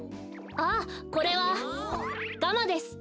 ああこれはガマです。